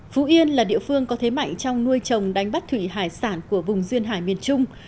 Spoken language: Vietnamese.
phú yên là địa phương có thế mạnh trong nuôi trồng đánh bắt thủy hải sản của vùng duyên hải miền trung